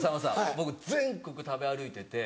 僕全国食べ歩いてて。